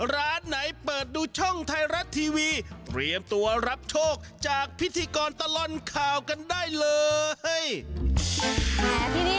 ร้านไหนเปิดดูช่องไทยรัฐทีวีเตรียมตัวรับโชคจากพิธีกรตลอดข่าวกันได้เลย